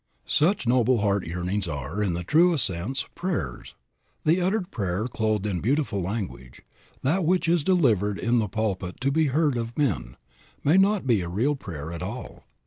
'" Such noble heart yearnings are, in the truest sense, prayers. The uttered prayer clothed in beautiful language, that which is delivered in the pulpit to be heard of men, may not be a real prayer at all.